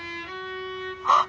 あっ！